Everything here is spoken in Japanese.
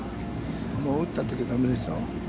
もう打ったときだめでしょう。